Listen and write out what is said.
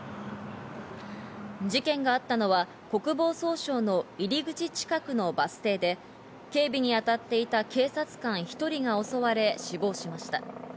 事件があったのは国防総省の入口近くのバス停で警備に当たっていた警察官１人が襲われ、死亡しました。